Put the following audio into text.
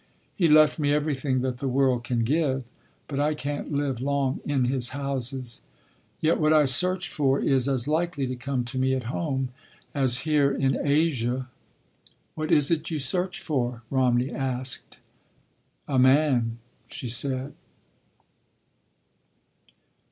He left me everything that the world can give, but I can’t live long in his houses. Yet what I search for is as likely to come to me at home, as here in Asia—" "What is it you search for?" Romney asked. "A man," she said.